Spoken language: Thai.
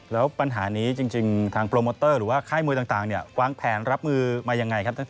แล้วปัญหานี้จริงทางโปรโมเตอร์หรือว่าค่ายมวยต่างวางแผนรับมือมายังไงครับ